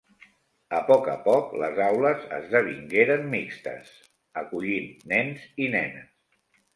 A poc a poc les aules esdevingueren mixtes, acollint nens i nenes.